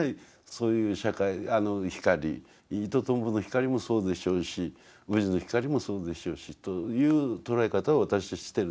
そういう光イトトンボの光もそうでしょうしウジの光もそうでしょうしという捉え方を私はしてるんですよ。